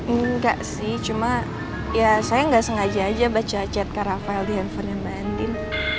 enggak sih cuma ya saya gak sengaja aja baca chat kak rafael di handphone mbak andien